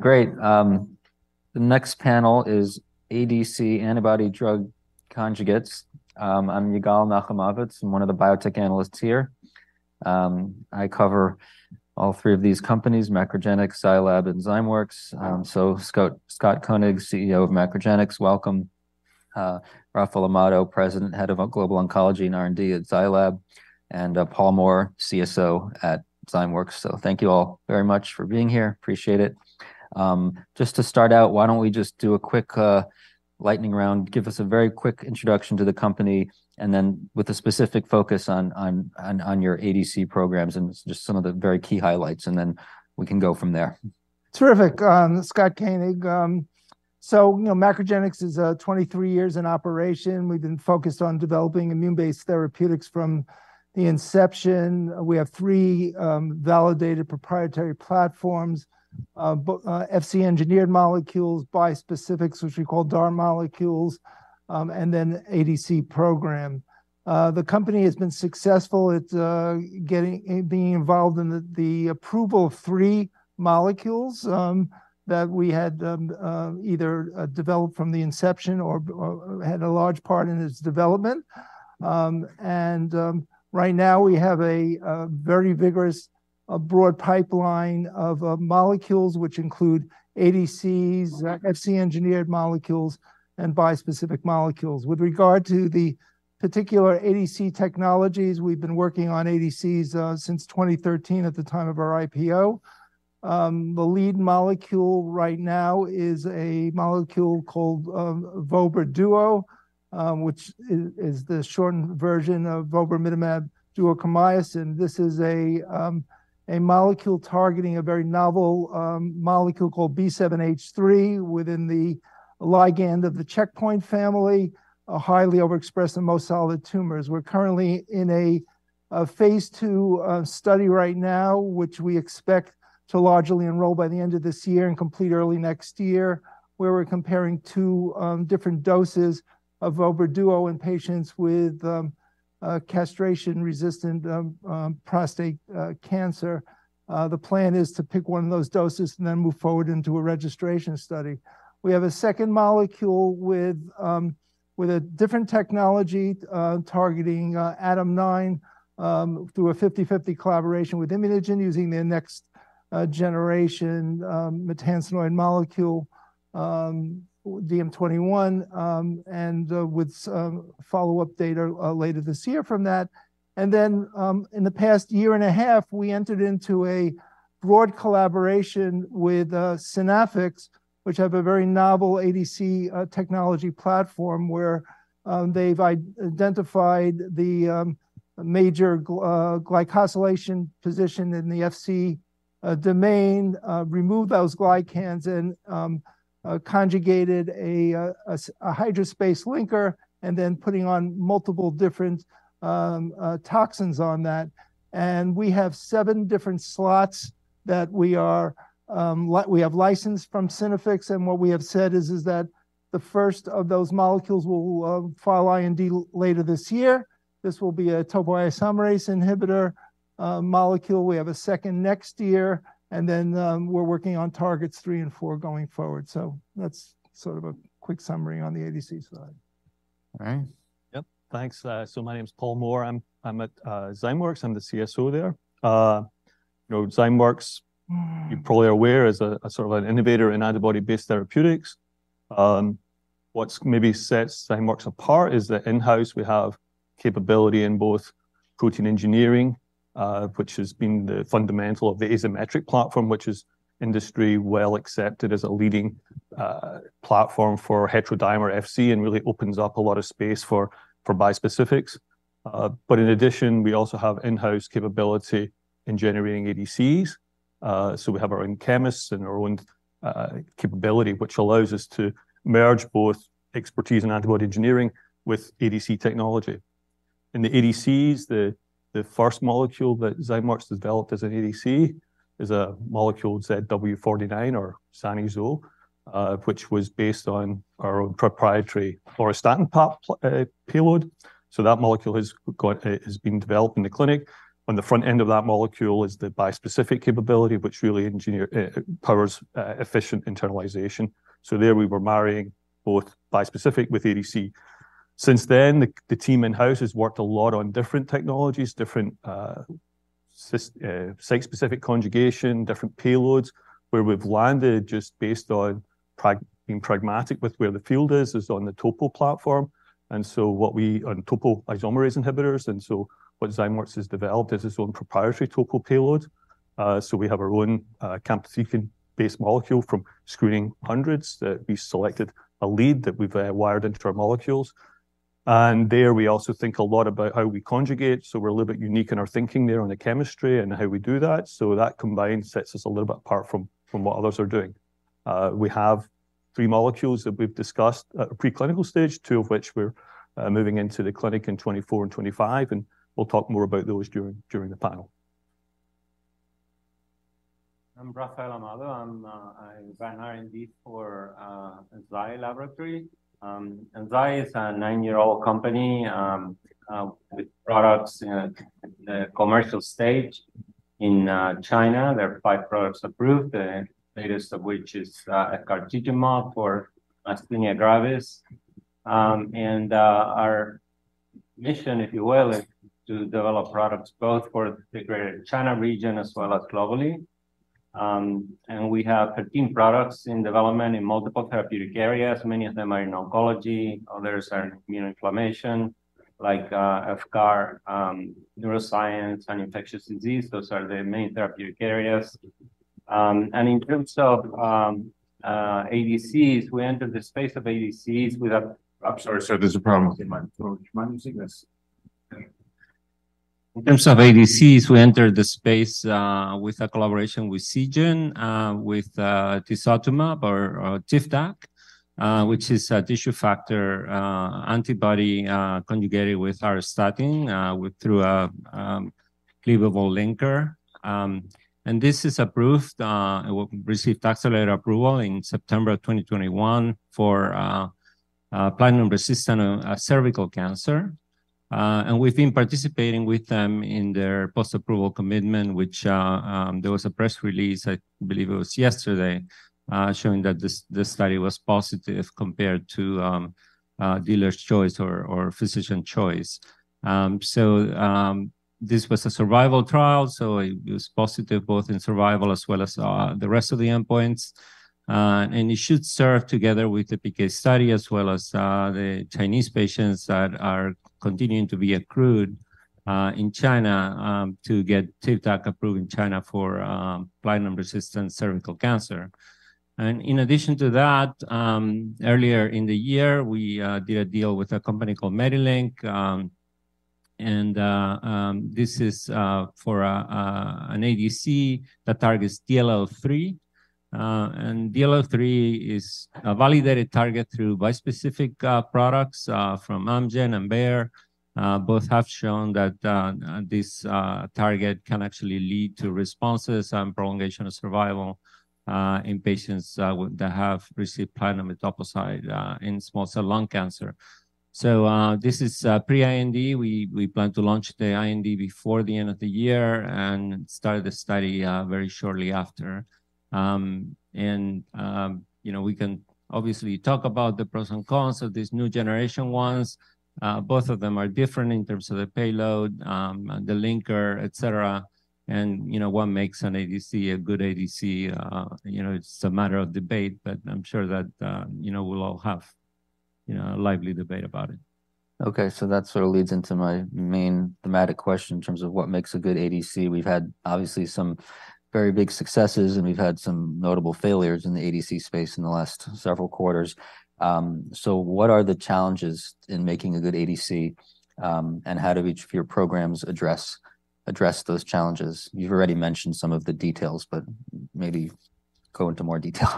Great. The next panel is ADC, Antibody-Drug Conjugates. I'm Yigal Nochomovitz. I'm one of the biotech analysts here. I cover all three of these companies, MacroGenics, Zai Lab, and Zymeworks. So Scott Koenig, CEO of MacroGenics, welcome. Rafael Amado, President, Head of Global Oncology and R&D at Zai Lab, and Paul Moore, CSO at Zymeworks. So thank you all very much for being here. Appreciate it. Just to start out, why don't we just do a quick lightning round? Give us a very quick introduction to the company, and then with a specific focus on your ADC programs, and just some of the very key highlights, and then we can go from there. Terrific. Scott Koenig. So, you know, MacroGenics is, 23 years in operation. We've been focused on developing immune-based therapeutics from the inception. We have three validated proprietary platforms, Fc engineered molecules, bispecifics, which we call DART molecules, and then ADC program. The company has been successful at, getting being involved in the, the approval of three molecules, that we had, either, developed from the inception or, or had a large part in its development. And, right now, we have a, a very vigorous, a broad pipeline of, molecules, which include ADCs, Fc engineered molecules, and bispecific molecules. With regard to the particular ADC technologies, we've been working on ADCs, since 2013 at the time of our IPO. The lead molecule right now is a molecule called Vobraduo, which is the shortened version of vobramitamab duocarmazine. This is a molecule targeting a very novel molecule called B7-H3, within the ligand of the checkpoint family, a highly overexpressed in most solid tumors. We're currently in a phase II study right now, which we expect to largely enroll by the end of this year and complete early next year, where we're comparing 2 different doses of Vobraduo in patients with castration-resistant prostate cancer. The plan is to pick one of those doses and then move forward into a registration study. We have a second molecule with a different technology targeting ADAM9 through a 50/50 collaboration with ImmunoGen using their next generation maytansinoid molecule DM21 and with some follow-up data later this year from that. And then in the past year and a half we entered into a broad collaboration with Synaffix which have a very novel ADC technology platform where they've identified the major glycosylation position in the Fc domain removed those glycans and conjugated a HydraSpace linker and then putting on multiple different toxins on that. We have seven different slots that we are, we have licensed from Synaffix, and what we have said is, is that the first of those molecules will file IND later this year. This will be a topoisomerase inhibitor molecule. We have a second next year, and then, we're working on targets three and four going forward. So that's sort of a quick summary on the ADC side. All right. Yep. Thanks. So my name's Paul Moore. I'm at Zymeworks. I'm the CSO there. You know, Zymeworks, you probably are aware, is a sort of an innovator in antibody-based therapeutics. What's maybe sets Zymeworks apart is that in-house we have capability in both protein engineering, which has been the fundamental of the Azymetric platform, which is industry well accepted as a leading platform for heterodimer Fc and really opens up a lot of space for bispecifics. But in addition, we also have in-house capability in generating ADCs. So we have our own chemists and our own capability, which allows us to merge both expertise in antibody engineering with ADC technology. In the ADCs, the first molecule that Zymeworks developed as an ADC is a molecule ZW49 or zanidatamab, which was based on our own proprietary Auristatin payload. So that molecule is being developed in the clinic. On the front end of that molecule is the bispecific capability, which really engineer powers efficient internalization. So there we were marrying both bispecific with ADC. Since then, the team in-house has worked a lot on different technologies, different site-specific conjugation, different payloads. Where we've landed, just based on being pragmatic with where the field is, is on the topo platform. And so on topoisomerase inhibitors, and so what Zymeworks has developed is its own proprietary topo payload. So we have our own, camptothecin-based molecule from screening hundreds, we selected a lead that we've wired into our molecules. And there, we also think a lot about how we conjugate, so we're a little bit unique in our thinking there on the chemistry and how we do that. So that combined sets us a little bit apart from what others are doing. We have three molecules that we've discussed at preclinical stage, two of which we're moving into the clinic in 2024 and 2025, and we'll talk more about those during the panel. I'm Rafael Amado. I'm Vice R&D for Zai Lab. Zai Lab is a nine-year-old company with products in commercial stage. In China, there are five products approved, the latest of which is efgartigimod for myasthenia gravis.... and, our mission, if you will, is to develop products both for the Greater China region as well as globally. And we have 13 products in development in multiple therapeutic areas. Many of them are in oncology, others are immunoinflammation, like, FCAR, neuroscience, and infectious disease. Those are the main therapeutic areas. And in terms of, ADCs, we entered the space of ADCs with a- I'm sorry, sir, there's a problem with your microphone. Do you mind using this? In terms of ADCs, we entered the space with a collaboration with Seagen with tisotumab or Tivdak, which is a tissue factor antibody conjugated with auristatin through a cleavable linker. And this is approved. It received accelerated approval in September 2021 for platinum-resistant cervical cancer. And we've been participating with them in their post-approval commitment, which there was a press release, I believe it was yesterday, showing that this study was positive compared to dealer's choice or physician choice. So this was a survival trial, so it was positive both in survival as well as the rest of the endpoints. And it should serve together with the PK study, as well as the Chinese patients that are continuing to be accrued in China to get Tivdak approved in China for platinum-resistant cervical cancer. And in addition to that, earlier in the year, we did a deal with a company called MediLink. And this is for an ADC that targets DLL3. And DLL3 is a validated target through bispecific products from Amgen and Bayer. Both have shown that this target can actually lead to responses and prolongation of survival in patients that have received platinum etoposide in small cell lung cancer. So this is pre-IND. We plan to launch the IND before the end of the year and start the study very shortly after. You know, we can obviously talk about the pros and cons of these new generation ones. Both of them are different in terms of the payload, the linker, et cetera. And you know, what makes an ADC a good ADC? You know, it's a matter of debate, but I'm sure that you know, we'll all have you know, a lively debate about it. Okay, so that sort of leads into my main thematic question in terms of what makes a good ADC. We've had obviously some very big successes, and we've had some notable failures in the ADC space in the last several quarters. So what are the challenges in making a good ADC, and how do each of your programs address those challenges? You've already mentioned some of the details, but maybe go into more detail.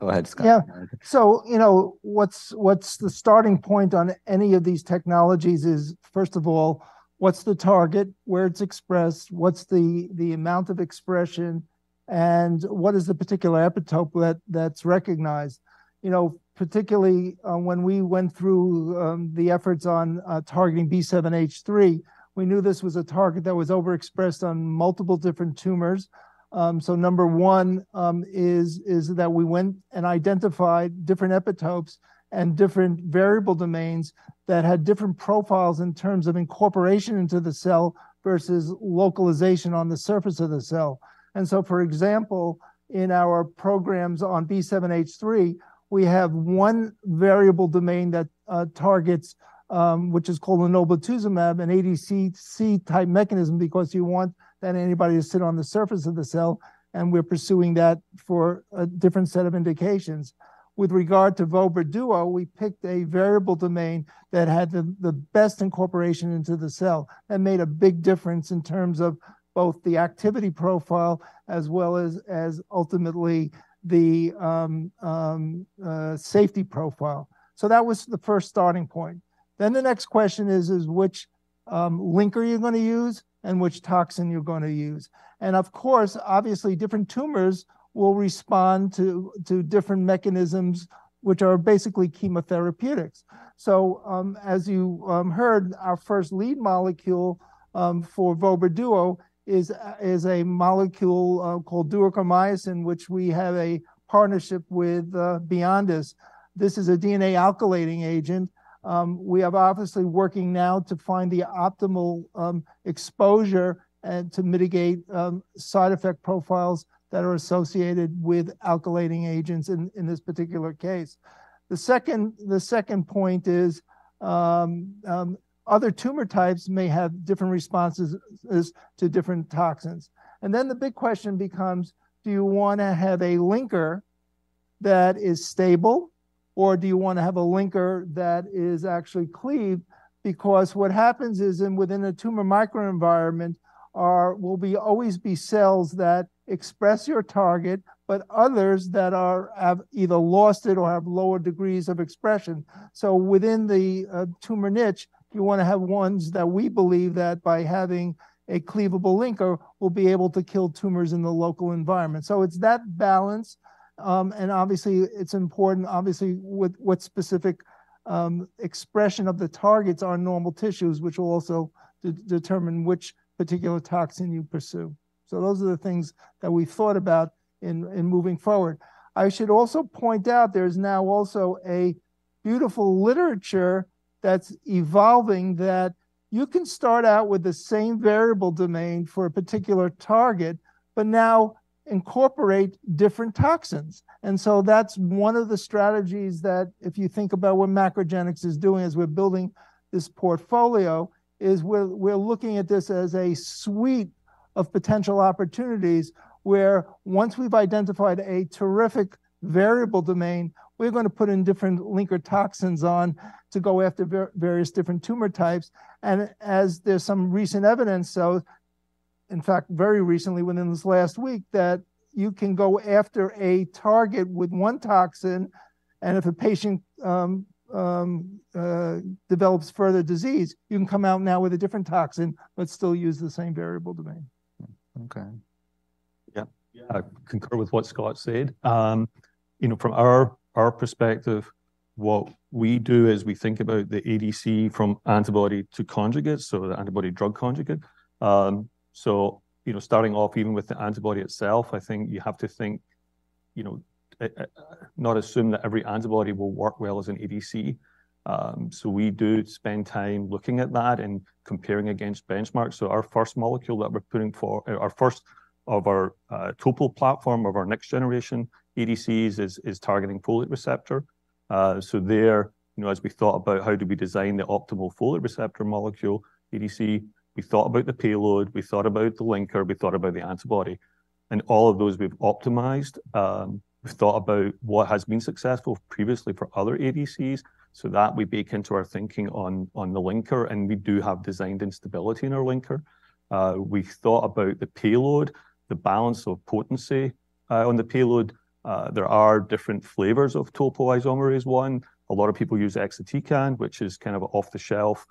Go ahead, Scott. Yeah. So, you know, what's, what's the starting point on any of these technologies is, first of all, what's the target? Where it's expressed, what's the, the amount of expression, and what is the particular epitope that, that's recognized? You know, particularly, when we went through the efforts on targeting B7-H3, we knew this was a target that was overexpressed on multiple different tumors. So number one, is that we went and identified different epitopes and different variable domains that had different profiles in terms of incorporation into the cell versus localization on the surface of the cell. And so, for example, in our programs on B7-H3, we have one variable domain that targets which is called enoblituzumab, an ADCC-type mechanism, because you want that antibody to sit on the surface of the cell, and we're pursuing that for a different set of indications. With regard to Vobraduo, we picked a variable domain that had the best incorporation into the cell, and made a big difference in terms of both the activity profile as well as ultimately the safety profile. So that was the first starting point. Then the next question is which linker are you going to use, and which toxin you're going to use? And of course, obviously, different tumors will respond to different mechanisms, which are basically chemotherapeutics. So, as you heard, our first lead molecule for Vobraduo is a, is a molecule called duocarmycin, which we have a partnership with Byondis. This is a DNA alkylating agent. We are obviously working now to find the optimal exposure and to mitigate side effect profiles that are associated with alkylating agents in this particular case. The second point is other tumor types may have different responses as to different toxins. And then the big question becomes: Do you want to have a linker that is stable, or do you want to have a linker that is actually cleaved? Because what happens is, in within a tumor microenvironment, will always be cells that express your target, but others that have either lost it or have lower degrees of expression. So within the tumor niche, you want to have ones that we believe that by having a cleavable linker, will be able to kill tumors in the local environment. So it's that balance, and obviously, it's important, obviously, with what specific,... expression of the targets on normal tissues, which will also determine which particular toxin you pursue. So those are the things that we thought about in moving forward. I should also point out there is now also a beautiful literature that's evolving, that you can start out with the same variable domain for a particular target, but now incorporate different toxins. And so that's one of the strategies that if you think about what MacroGenics is doing as we're building this portfolio, is we're looking at this as a suite of potential opportunities, where once we've identified a terrific variable domain, we're gonna put in different linker toxins on to go after various different tumor types. As there's some recent evidence, so in fact, very recently, within this last week, that you can go after a target with one toxin, and if a patient develops further disease, you can come out now with a different toxin, but still use the same variable domain. Okay. Yeah. Yeah, I concur with what Scott said. You know, from our perspective, what we do is we think about the ADC from antibody to conjugates, so the antibody drug conjugate. So, you know, starting off, even with the antibody itself, I think you have to think, you know, not assume that every antibody will work well as an ADC. So we do spend time looking at that and comparing against benchmarks. So our first molecule, our first of our topo platform of our next generation ADCs is targeting folate receptor. So there, you know, as we thought about how do we design the optimal folate receptor molecule, ADC, we thought about the payload, we thought about the linker, we thought about the antibody, and all of those we've optimized. We've thought about what has been successful previously for other ADCs, so that we bake into our thinking on, on the linker, and we do have designed instability in our linker. We've thought about the payload, the balance of potency on the payload. There are different flavors of topoisomerase one. A lot of people use exatecan, which is kind of off-the-shelf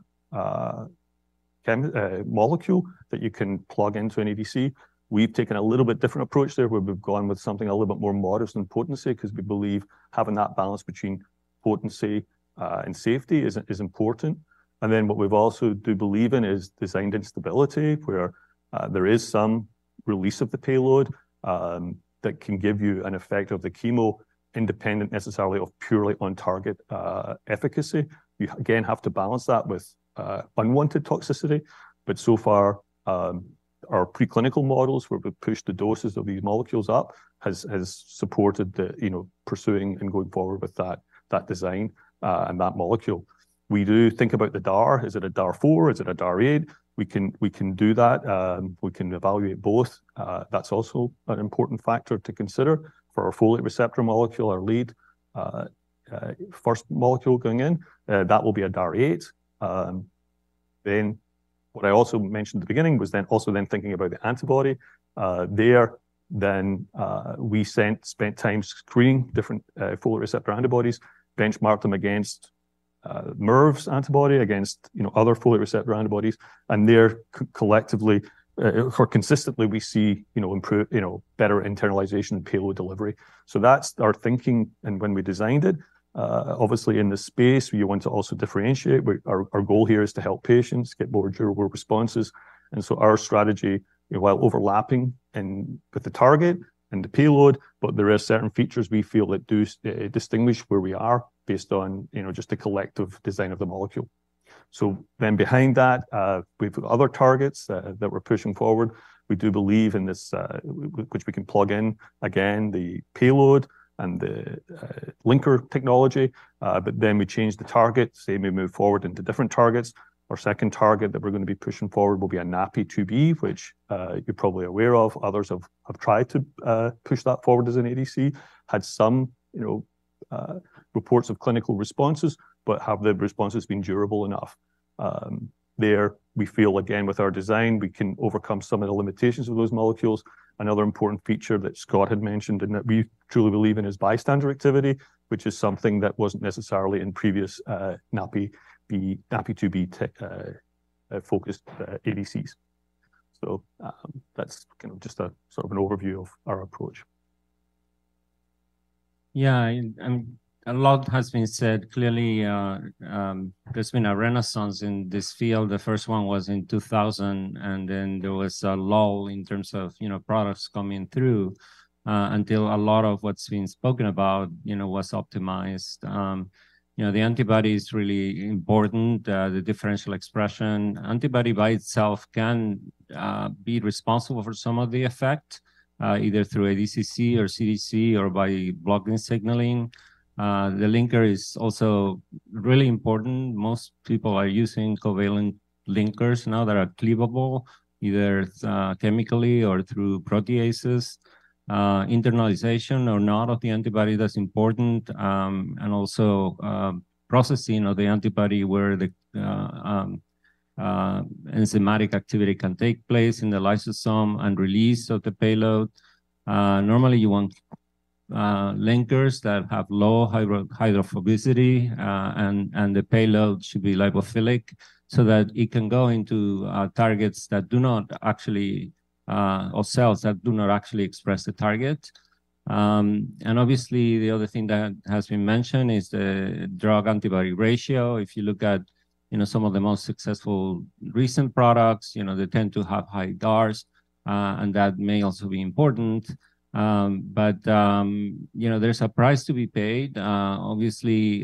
molecule that you can plug into an ADC. We've taken a little bit different approach there, where we've gone with something a little bit more modest in potency, 'cause we believe having that balance between potency and safety is important. And then what we've also do believe in is designed instability, where there is some release of the payload that can give you an effect of the chemo, independent necessarily of purely on target efficacy. You, again, have to balance that with unwanted toxicity. But so far, our preclinical models, where we've pushed the doses of these molecules up, has supported the, you know, pursuing and going forward with that design and that molecule. We do think about the DAR. Is it a DAR 4? Is it a DAR 8? We can, we can do that. We can evaluate both. That's also an important factor to consider for our folate receptor molecule, our lead first molecule going in, that will be a DAR 8. Then what I also mentioned at the beginning was then also then thinking about the antibody there, then we spent time screening different folate receptor antibodies, benchmarked them against mirvetuximab antibody, against, you know, other folate receptor antibodies. There, collectively or consistently, we see, you know, improved, you know, better internalization and payload delivery. So that's our thinking and when we designed it, obviously in this space, we want to also differentiate. Our goal here is to help patients get more durable responses. And so our strategy, while overlapping with the target and the payload, but there are certain features we feel that do distinguish where we are based on, you know, just the collective design of the molecule. So then behind that, we've other targets that we're pushing forward. We do believe in this, which we can plug in, again, the payload and the linker technology, but then we change the target, say, we move forward into different targets. Our second target that we're gonna be pushing forward will be a NaPi2b, which, you're probably aware of. Others have tried to push that forward as an ADC, had some, you know, reports of clinical responses, but have their responses been durable enough? There we feel, again, with our design, we can overcome some of the limitations of those molecules. Another important feature that Scott had mentioned and that we truly believe in is bystander activity, which is something that wasn't necessarily in previous NaPi2b focused ADCs. So, that's kind of just a sort of an overview of our approach. Yeah, a lot has been said. Clearly, there's been a renaissance in this field. The first one was in 2000, and then there was a lull in terms of, you know, products coming through, until a lot of what's been spoken about, you know, was optimized. You know, the antibody is really important, the differential expression. Antibody by itself can be responsible for some of the effect, either through ADCC or CDC or by blocking signaling. The linker is also really important. Most people are using covalent linkers now that are cleavable, either chemically or through proteases, internalization or not of the antibody, that's important, and also processing of the antibody where the enzymatic activity can take place in the lysosome and release of the payload. Normally, you want linkers that have low hydrophobicity, and the payload should be lipophilic so that it can go into targets that do not actually or cells that do not actually express the target. And obviously, the other thing that has been mentioned is the drug antibody ratio. If you look at, you know, some of the most successful recent products, you know, they tend to have high DARs, and that may also be important. But you know, there's a price to be paid. Obviously,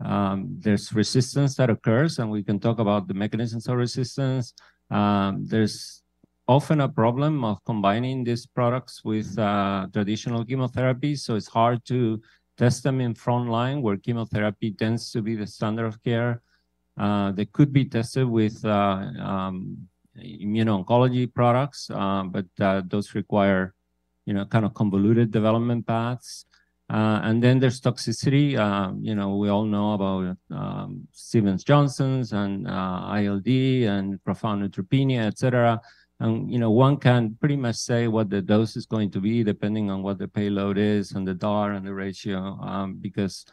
there's resistance that occurs, and we can talk about the mechanisms of resistance. There's often a problem of combining these products with traditional chemotherapy, so it's hard to test them in frontline, where chemotherapy tends to be the standard of care. They could be tested with immuno-oncology products, but those require, you know, kind of convoluted development paths. And then there's toxicity. You know, we all know about Stevens-Johnson and ILD and profound neutropenia, et cetera. And, you know, one can pretty much say what the dose is going to be, depending on what the payload is and the DAR and the ratio, because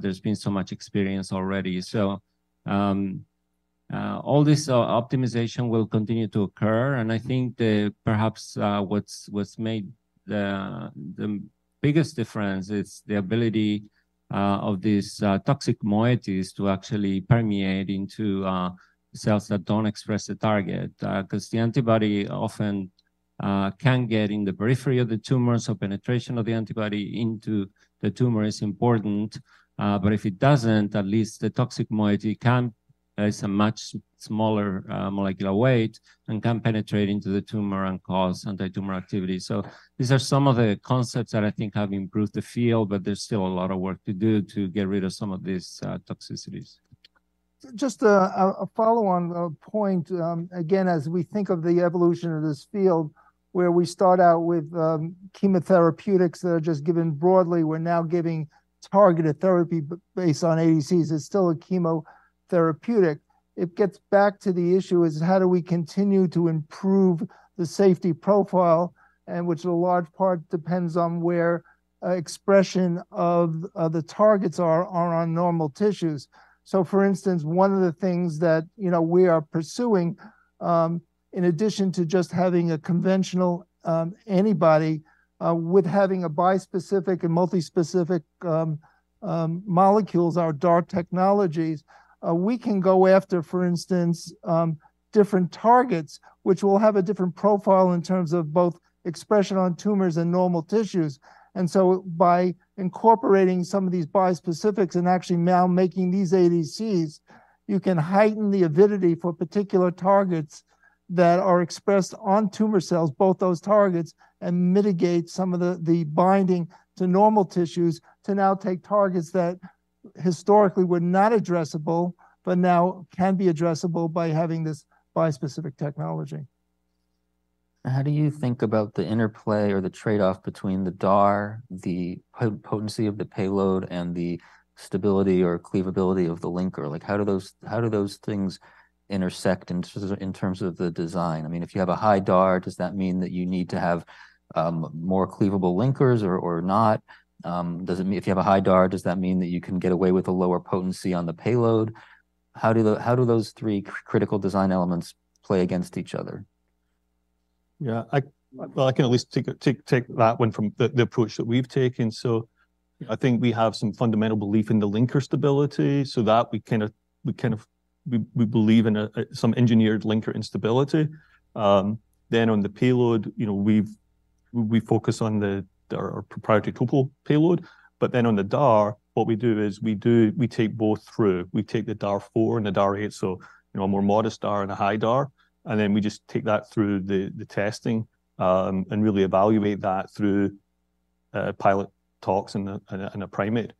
there's been so much experience already. So, all this optimization will continue to occur, and I think that perhaps what's made the biggest difference is the ability of these toxic moieties to actually permeate into cells that don't express the target. 'Cause the antibody often can get in the periphery of the tumor, so penetration of the antibody into the tumor is important. But if it doesn't, at least the toxic moiety is a much smaller molecular weight and can penetrate into the tumor and cause antitumor activity. So these are some of the concepts that I think have improved the field, but there's still a lot of work to do to get rid of some of these toxicities. Just a follow-on point. Again, as we think of the evolution of this field, where we start out with chemotherapeutics that are just given broadly, we're now giving targeted therapy based on ADCs, it's still a chemotherapeutic. It gets back to the issue is, how do we continue to improve the safety profile, and which a large part depends on where expression of the targets are on normal tissues? So, for instance, one of the things that, you know, we are pursuing, in addition to just having a conventional antibody with having a bispecific and multispecific molecules, our DAR technologies, we can go after, for instance, different targets, which will have a different profile in terms of both expression on tumors and normal tissues. By incorporating some of these bispecifics and actually now making these ADCs, you can heighten the avidity for particular targets that are expressed on tumor cells, both those targets, and mitigate some of the binding to normal tissues to now take targets that historically were not addressable, but now can be addressable by having this bispecific technology. How do you think about the interplay or the trade-off between the DAR, the potency of the payload, and the stability or cleavability of the linker? Like, how do those things intersect in terms of the design? I mean, if you have a high DAR, does that mean that you need to have more cleavable linkers or not? Does it mean... If you have a high DAR, does that mean that you can get away with a lower potency on the payload? How do those three critical design elements play against each other? Yeah, well, I can at least take that one from the approach that we've taken. So I think we have some fundamental belief in the linker stability, so that we kind of. We believe in some engineered linker instability. Then on the payload, you know, we focus on our proprietary topo payload. But then on the DAR, what we do is we take both through. We take the DAR 4 and the DAR 8, so, you know, a more modest DAR and a high DAR, and then we just take that through the testing, and really evaluate that through pilot tox and in primates.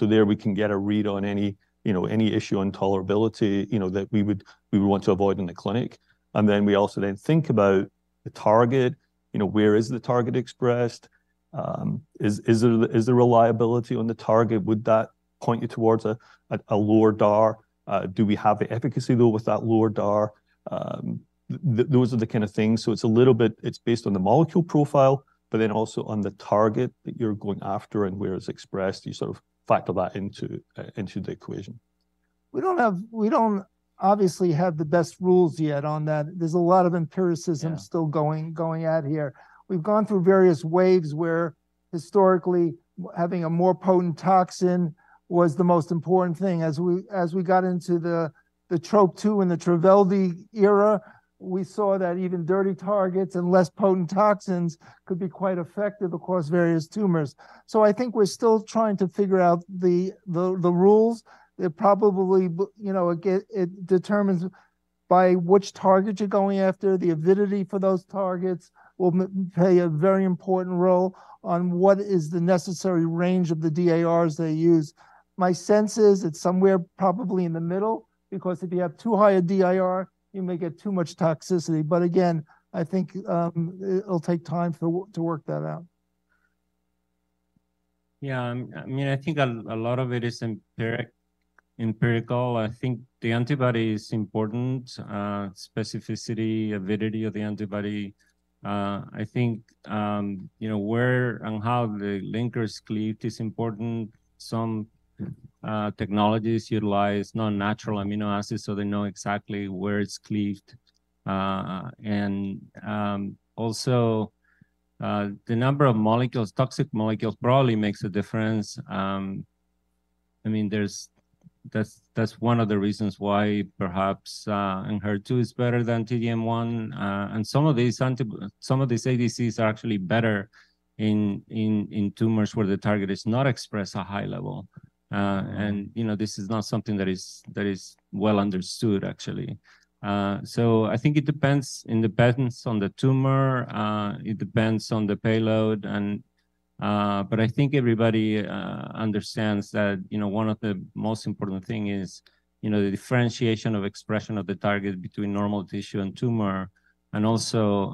There, we can get a read on any, you know, any issue on tolerability, you know, that we would want to avoid in the clinic. Then we also think about the target, you know, where is the target expressed? Is there reliability on the target? Would that point you towards a lower DAR? Do we have the efficacy, though, with that lower DAR? Those are the kind of things. It's a little bit based on the molecule profile, but then also on the target that you're going after and where it's expressed, you sort of factor that into the equation. We don't obviously have the best rules yet on that. There's a lot of empiricism- Yeah... still going, going out here. We've gone through various waves where historically, having a more potent toxin was the most important thing. As we got into the Trop-2 and the trastuzumab era, we saw that even dirty targets and less potent toxins could be quite effective across various tumors. So I think we're still trying to figure out the rules. It probably, you know, again, it determines by which target you're going after. The avidity for those targets will play a very important role on what is the necessary range of the DARs they use. My sense is it's somewhere probably in the middle, because if you have too high a DAR, you may get too much toxicity. But again, I think it'll take time to work that out. Yeah, I mean, I think a lot of it is empirical. I think the antibody is important, specificity, avidity of the antibody. I think, you know, where and how the linker is cleaved is important. Some technologies utilize non-natural amino acids, so they know exactly where it's cleaved. And also, the number of molecules, toxic molecules, broadly makes a difference. I mean, there's, that's, that's one of the reasons why perhaps HER2 is better than T-DM1. And some of these ADCs are actually better in tumors where the target is not expressed at high level. And, you know, this is not something that is well understood, actually. So I think it depends on the patterns on the tumor, it depends on the payload and... But I think everybody understands that, you know, one of the most important thing is, you know, the differentiation of expression of the target between normal tissue and tumor. And also,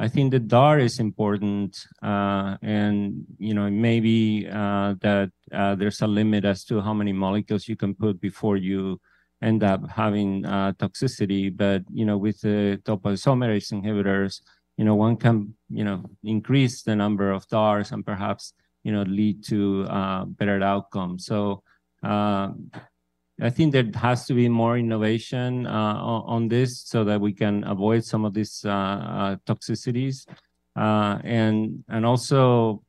I think the DAR is important, and, you know, maybe that there's a limit as to how many molecules you can put before you end up having toxicity. But, you know, with the topoisomerase inhibitors, you know, one can, you know, increase the number of DARs and perhaps, you know, lead to better outcomes. So, I think there has to be more innovation on this so that we can avoid some of these toxicities. And also,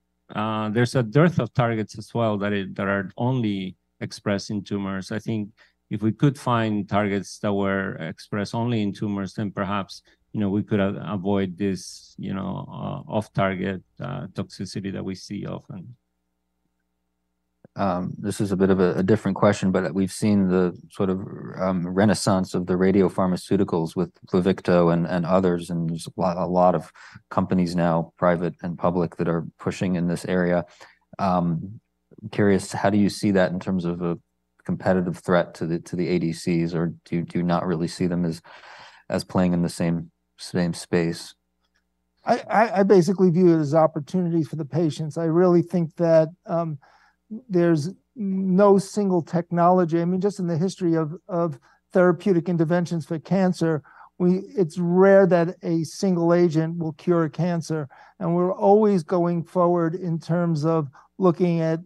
there's a dearth of targets as well that are only expressed in tumors. I think if we could find targets that were expressed only in tumors, then perhaps, you know, we could avoid this, you know, off-target toxicity that we see often. This is a bit of a different question, but we've seen the sort of renaissance of the radiopharmaceuticals with Pluvicto and others, and there's a lot, a lot of companies now, private and public, that are pushing in this area. Curious, how do you see that in terms of a competitive threat to the ADCs, or do you not really see them as playing in the same space? I basically view it as opportunity for the patients. I really think that, there's no single technology. I mean, just in the history of therapeutic interventions for cancer, we—it's rare that a single agent will cure cancer, and we're always going forward in terms of looking at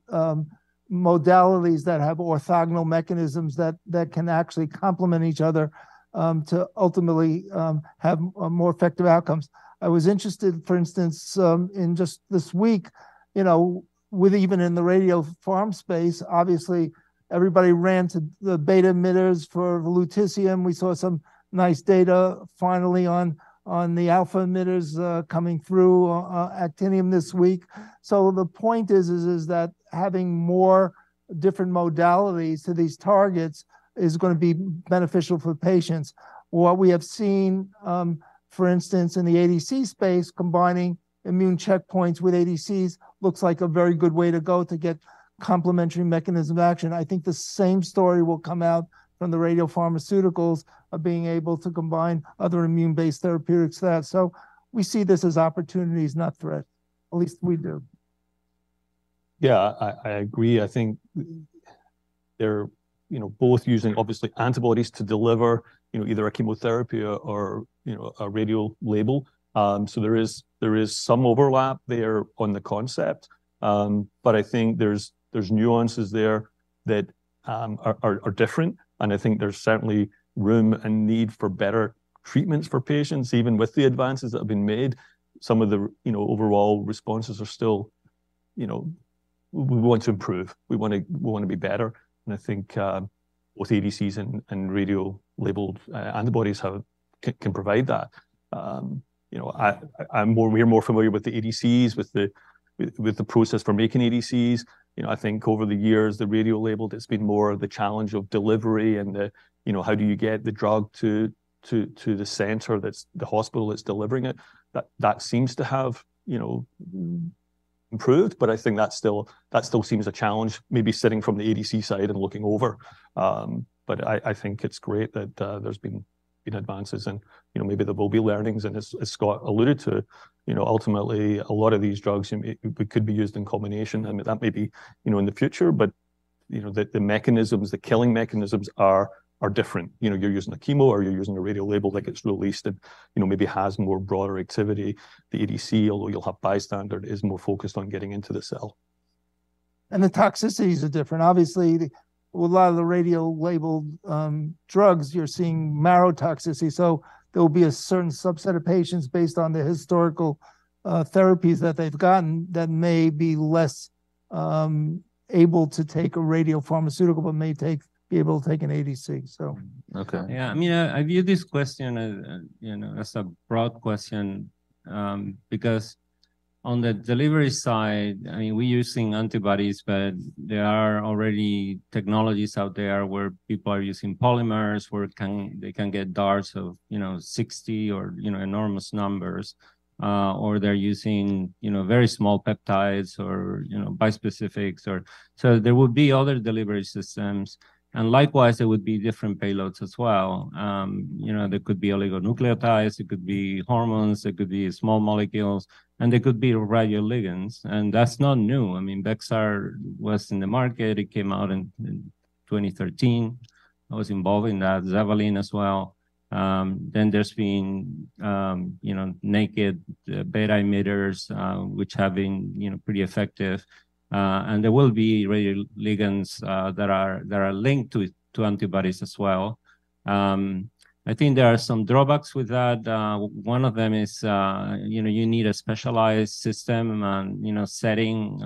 modalities that have orthogonal mechanisms that can actually complement each other to ultimately have more effective outcomes. I was interested, for instance, in just this week, you know, with even in the radiopharm space, obviously, everybody ran to the beta emitters for lutetium. We saw some nice data finally on the alpha emitters coming through Actinium this week. So the point is that having more different modalities to these targets is gonna be beneficial for the patients. What we have seen, for instance, in the ADC space, combining immune checkpoints with ADCs, looks like a very good way to go to get complementary mechanism of action. I think the same story will come out from the radiopharmaceuticals of being able to combine other immune-based therapeutics to that. So we see this as opportunities, not threats. At least we do. Yeah, I agree. I think they're, you know, both using obviously antibodies to deliver, you know, either a chemotherapy or a radio label. So there is some overlap there on the concept. But I think there's nuances there that are different, and I think there's certainly room and need for better treatments for patients, even with the advances that have been made. Some of the, you know, overall responses are still... You know, we want to improve. We wanna be better, and I think both ADCs and radio labeled antibodies have-- can provide that. You know, I'm more, we're more familiar with the ADCs, with the process for making ADCs. You know, I think over the years, the radiolabel, it's been more of the challenge of delivery and the, you know, how do you get the drug to the center that's the hospital that's delivering it? That seems to have, you know, improved, but I think that still seems a challenge, maybe sitting from the ADC side and looking over. But I think it's great that there's been advances and, you know, maybe there will be learnings. And as Scott alluded to, you know, ultimately, a lot of these drugs could be used in combination, and that may be, you know, in the future, but, you know, the mechanisms, the killing mechanisms are different. You know, you're using a chemo or you're using a radiolabel that gets released and, you know, maybe has more broader activity. The ADC, although you'll have bystander, is more focused on getting into the cell. The toxicities are different. Obviously, with a lot of the radiolabeled drugs, you're seeing marrow toxicity, so there will be a certain subset of patients based on the historical therapies that they've gotten, that may be less able to take a radiopharmaceutical, but may be able to take an ADC, so. Okay. Yeah, I mean, I view this question as, you know, as a broad question, because on the delivery side, I mean, we're using antibodies, but there are already technologies out there where people are using polymers, where it can they can get DARs of, you know, 60 or, you know, enormous numbers, or they're using, you know, very small peptides or, you know, bispecifics or... So there will be other delivery systems, and likewise, there would be different payloads as well. You know, there could be oligonucleotides, it could be hormones, it could be small molecules, and they could be radioligands, and that's not new. I mean, Bexxar was in the market. It came out in 2013. I was involved in that, Zevalin as well. Then there's been naked beta emitters, which have been, you know, pretty effective. And there will be radioligands that are linked to antibodies as well. I think there are some drawbacks with that. One of them is, you know, you need a specialized system and, you know, setting,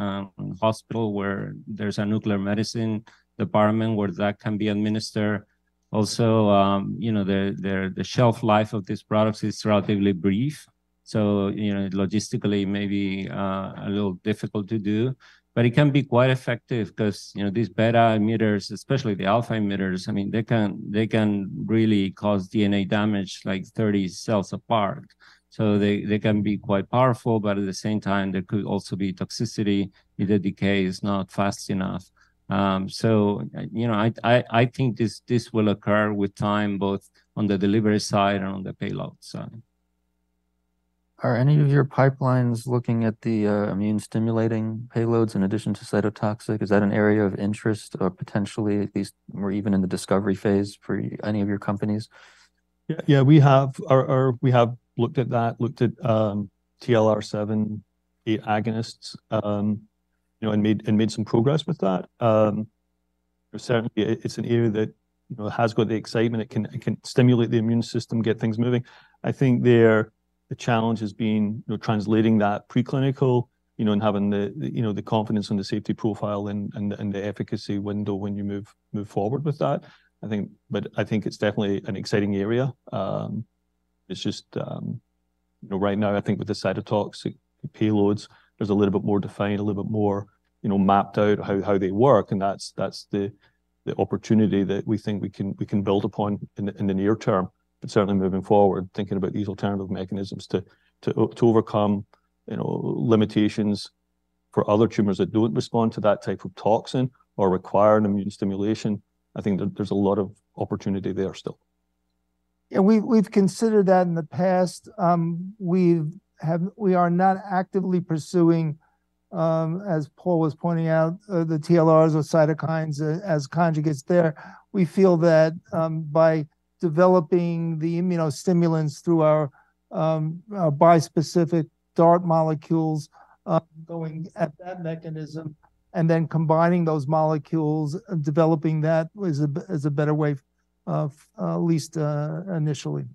hospital where there's a nuclear medicine department where that can be administered. Also, you know, the shelf life of these products is relatively brief, so, you know, logistically, it may be a little difficult to do. But it can be quite effective because, you know, these beta emitters, especially the alpha emitters, I mean, they can really cause DNA damage, like, 30 cells apart. So they can be quite powerful, but at the same time, there could also be toxicity if the decay is not fast enough. So, you know, I think this will occur with time, both on the delivery side and on the payload side. Are any of your pipelines looking at the immune-stimulating payloads in addition to cytotoxic? Is that an area of interest or potentially at least, or even in the discovery phase for any of your companies? Yeah, yeah, we have. We have looked at that, looked at TLR7/8 agonists, you know, and made some progress with that. Certainly, it's an area that, you know, has got the excitement. It can stimulate the immune system, get things moving. I think the challenge has been, you know, translating that preclinical, you know, and having the confidence on the safety profile and the efficacy window when you move forward with that. I think—but I think it's definitely an exciting area. It's just, you know, right now, I think with the cytotoxic payloads, there's a little bit more defined, a little bit more, you know, mapped out how they work, and that's the opportunity that we think we can build upon in the near term. But certainly moving forward, thinking about these alternative mechanisms to overcome, you know, limitations for other tumors that don't respond to that type of toxin or require an immune stimulation. I think there's a lot of opportunity there still. Yeah, we've considered that in the past. We are not actively pursuing, as Paul was pointing out, the TLRs or cytokines as conjugates there. We feel that by developing the immunostimulants through our bispecific DART molecules, going at that mechanism, and then combining those molecules, developing that is a better way of, at least, initially.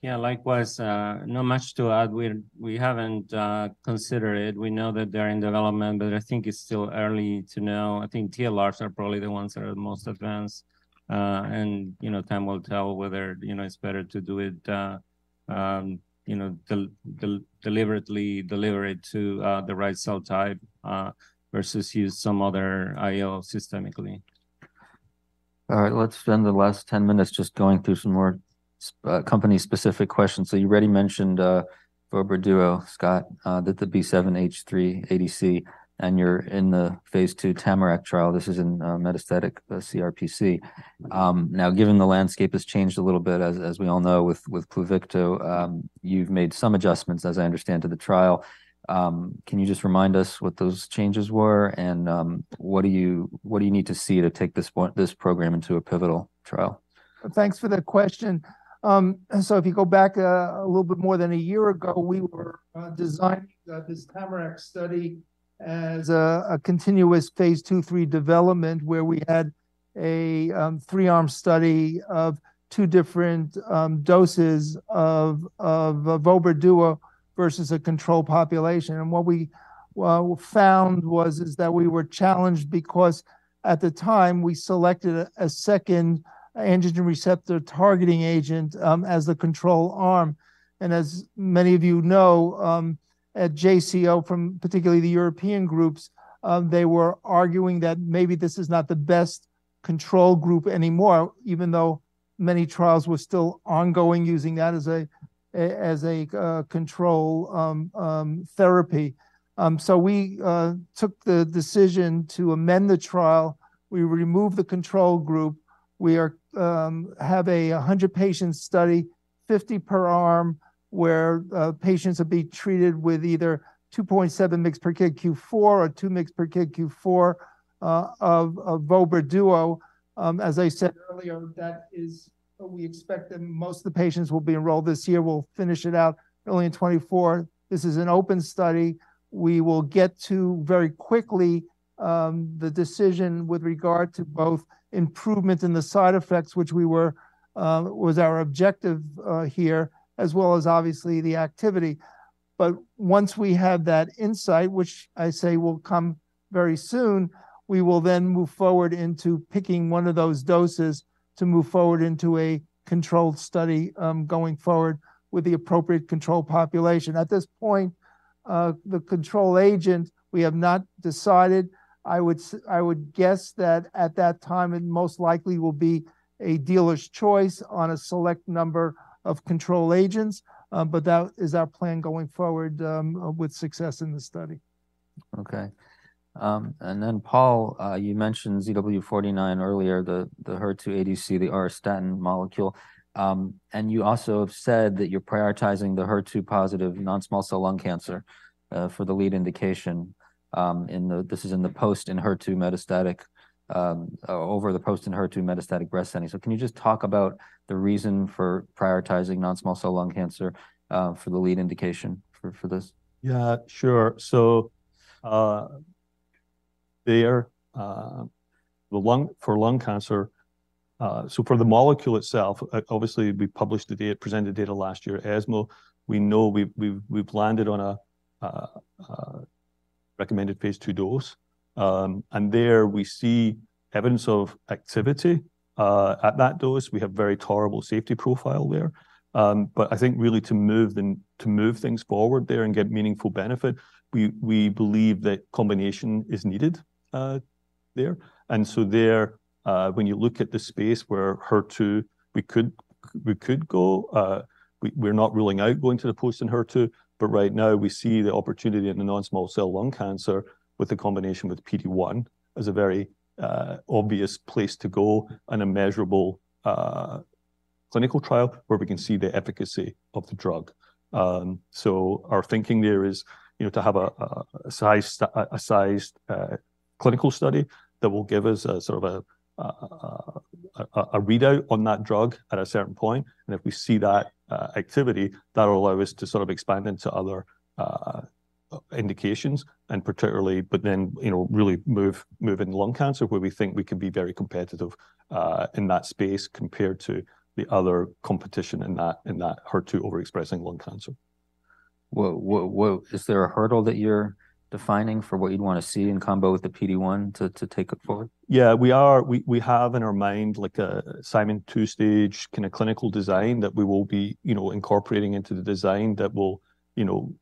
Yeah, likewise, not much to add. We haven't considered it. We know that they're in development, but I think it's still early to know. I think TLRs are probably the ones that are the most advanced. And, you know, time will tell whether, you know, it's better to do it, you know, deliberately deliver it to the right cell type versus use some other IO systemically. All right, let's spend the last 10 minutes just going through some more company-specific questions. So you already mentioned vobramitamab duocarmazine, Scott, that the B7-H3 ADC, and you're in the phase II Tamarack trial. This is in metastatic CRPC. Now, given the landscape has changed a little bit, as we all know, with Pluvicto, you've made some adjustments, as I understand, to the trial. Can you just remind us what those changes were and what do you need to see to take this program into a pivotal trial? Thanks for that question. So if you go back a little bit more than a year ago, we were designing this Tamarack study as a continuous phase II/III development, where we had a three-arm study of two different doses of Vobiduo versus a control population. And what we found was that we were challenged because at the time, we selected a second androgen receptor targeting agent as the control arm. And as many of you know, at JCO, from particularly the European groups, they were arguing that maybe this is not the best control group anymore, even though many trials were still ongoing, using that as a control therapy. So we took the decision to amend the trial. We removed the control group. We are have a 100-patient study, 50 per arm, where patients are being treated with either 2.7 mg per kg Q4 or 2 mg per kg Q4, of Vobiduo. As I said earlier, that is we expect that most of the patients will be enrolled this year. We'll finish it out early in 2024. This is an open study. We will get to very quickly the decision with regard to both improvements in the side effects, which we were was our objective here, as well as obviously the activity. But once we have that insight, which I say will come very soon, we will then move forward into picking one of those doses to move forward into a controlled study, going forward with the appropriate control population. At this point, the control agent, we have not decided. I would guess that at that time, it most likely will be a dealer's choice on a select number of control agents, but that is our plan going forward, with success in the study. Okay. And then, Paul, you mentioned ZW49 earlier, the HER2 ADC, the auristatin molecule. And you also have said that you're prioritizing the HER2 positive non-small cell lung cancer for the lead indication in the post-Enhertu metastatic over the post-Enhertu metastatic breast cancer. So can you just talk about the reason for prioritizing non-small cell lung cancer for the lead indication for this? Yeah, sure. So, for lung cancer, so for the molecule itself, obviously, we published the data, presented data last year. At ESMO, we know we've landed on a recommended phase II dose. And there we see evidence of activity at that dose. We have very tolerable safety profile there. But I think really to move them, to move things forward there and get meaningful benefit, we believe that combination is needed there. When you look at the space where HER2, we could go, we're not ruling out going to the post-Enhertu, but right now we see the opportunity in the non-small cell lung cancer with a combination with PD-1 as a very obvious place to go and a measurable clinical trial where we can see the efficacy of the drug. So our thinking there is, you know, to have a sized clinical study that will give us a sort of a readout on that drug at a certain point. If we see that activity, that will allow us to sort of expand into other indications, and particularly, but then, you know, really move in lung cancer, where we think we can be very competitive in that space compared to the other competition in that HER2 overexpressing lung cancer. Well, well, well, is there a hurdle that you're defining for what you'd want to see in combo with the PD-1 to, to take it forward? Yeah, we are. We, we have in our mind, like, a Simon's two-stage kind of clinical design that we will be, you know, incorporating into the design that will, you know,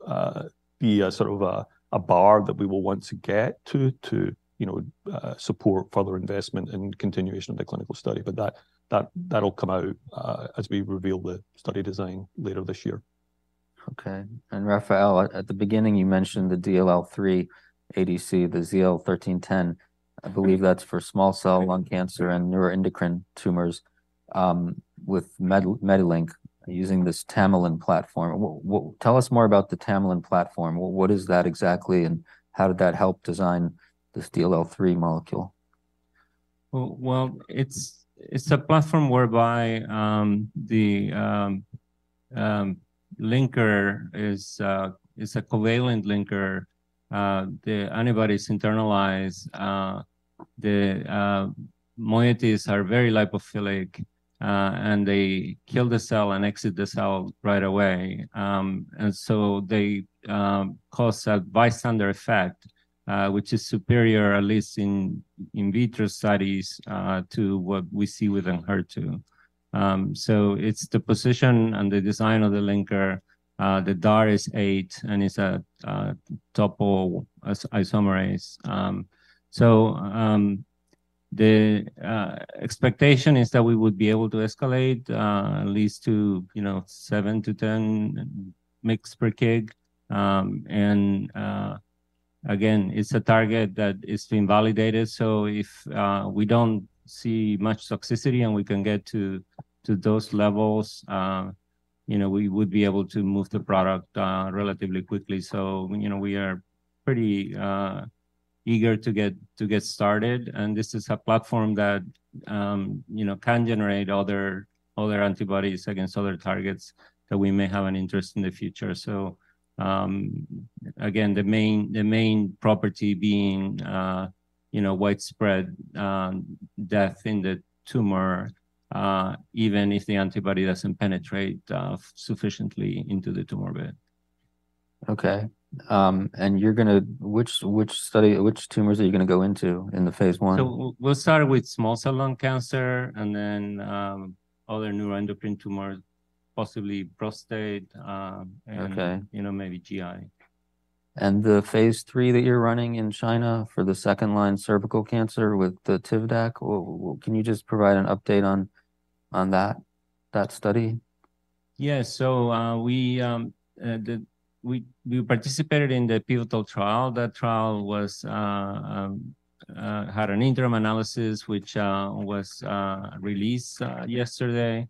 be a sort of a, a bar that we will want to get to, to, you know, support further investment and continuation of the clinical study. But that, that, that'll come out, as we reveal the study design later this year. Okay. And Rafael, at the beginning, you mentioned the DLL3 ADC, the ZL-1310. I believe that's for small cell lung cancer and neuroendocrine tumors, with MediLink, using this TMALIN platform. What... Tell us more about the TMALIN platform. What is that exactly, and how did that help design this DLL3 molecule? Well, it's a platform whereby the linker is a covalent linker. The antibodies internalize, the moieties are very lipophilic, and they kill the cell and exit the cell right away. And so they cause a bystander effect, which is superior, at least in vitro studies, to what we see within HER2. So it's the position and the design of the linker. The DAR is 8, and it's a topoisomerase. So the expectation is that we would be able to escalate at least to, you know, 7-10 mgs per kg. And again, it's a target that is being validated. So if we don't see much toxicity and we can get to those levels, you know, we would be able to move the product relatively quickly. So, you know, we are pretty eager to get started, and this is a platform that, you know, can generate other antibodies against other targets that we may have an interest in the future. So, again, the main property being, you know, widespread death in the tumor even if the antibody doesn't penetrate sufficiently into the tumor bed. Okay. And you're gonna... Which study, which tumors are you gonna go into in the phase I? So we'll start with small cell lung cancer and then, other neuroendocrine tumors, possibly prostate, Okay... and, you know, maybe GI. The phase III that you're running in China for the second-line cervical cancer with the Tivdak, well, can you just provide an update on that study? Yeah. So, we participated in the pivotal trial. That trial had an interim analysis, which was released yesterday.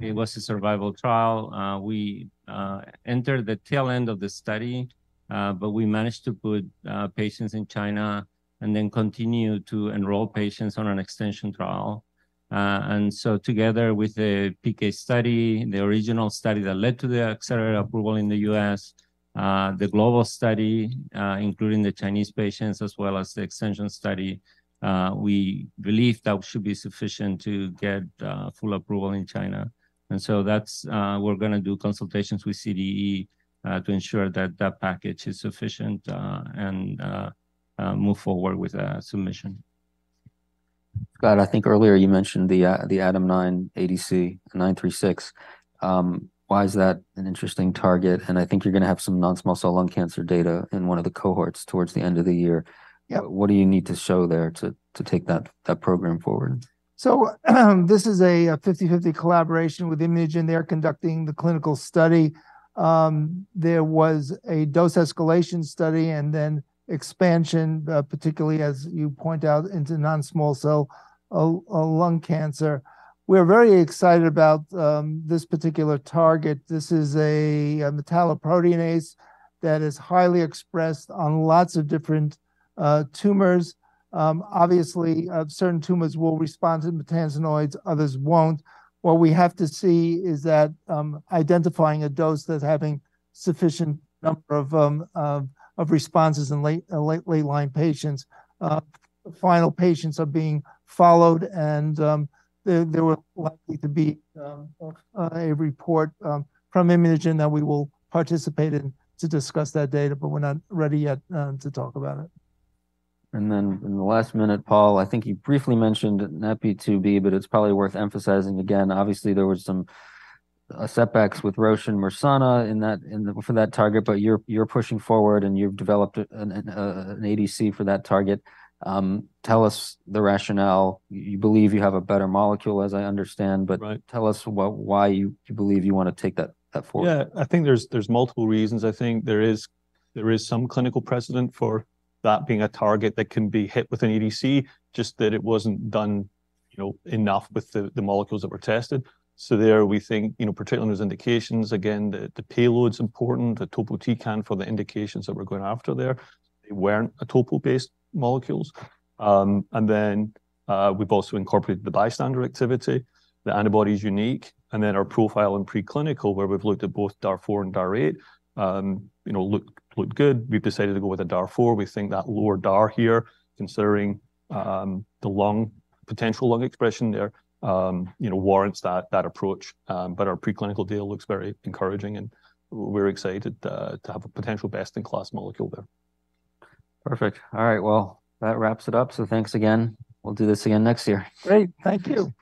It was a survival trial. We entered the tail end of the study, but we managed to put patients in China and then continue to enroll patients on an extension trial. And so together with the PK study, the original study that led to the accelerated approval in the U.S., the global study, including the Chinese patients, as well as the extension study, we believe that should be sufficient to get full approval in China. And so that's, we're gonna do consultations with CDE to ensure that that package is sufficient and move forward with a submission. Scott, I think earlier you mentioned the ADAM9 ADC, IMGC936. Why is that an interesting target? I think you're gonna have some non-small cell lung cancer data in one of the cohorts towards the end of the year. Yeah. What do you need to show there to take that program forward? This is a 50/50 collaboration with ImmunoGen, they're conducting the clinical study. There was a dose escalation study and then expansion, particularly, as you point out, into non-small cell lung cancer. We're very excited about this particular target. This is a metalloproteinase that is highly expressed on lots of different tumors. Obviously, certain tumors will respond to the maytansinoids, others won't. What we have to see is that identifying a dose that's having sufficient number of responses in late line patients. Final patients are being followed, and there were likely to be a report from ImmunoGen that we will participate in to discuss that data, but we're not ready yet to talk about it. And then in the last minute, Paul, I think you briefly mentioned NaPi2b, but it's probably worth emphasising again. Obviously, there were some setbacks with Roche and Mersana in that for that target, but you're pushing forward, and you've developed an ADC for that target. Tell us the rationale. You believe you have a better molecule, as I understand. Right... but tell us why you believe you want to take that forward? Yeah. I think there's multiple reasons. I think there is some clinical precedent for that being a target that can be hit with an ADC, just that it wasn't done, you know, enough with the molecules that were tested. So there we think, you know, particularly in those indications, again, the payload's important, the topo exatecan for the indications that we're going after there. They weren't topo-based molecules. And then we've also incorporated the bystander activity. The antibody is unique, and then our profile in preclinical, where we've looked at both DAR 4 and DAR 8, you know, looked good. We've decided to go with a DAR 4. We think that lower DAR here, considering the lung, potential lung expression there, you know, warrants that approach, but our preclinical deal looks very encouraging, and we're excited to have a potential best-in-class molecule there. Perfect. All right. Well, that wraps it up, so thanks again. We'll do this again next year. Great. Thank you.